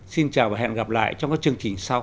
xin chào và hẹn gặp lại trong các chương trình sau